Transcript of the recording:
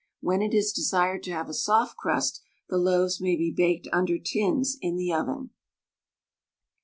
When it is desired to have a soft crust, the loaves may be baked under tins in the oven.